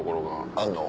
あんの？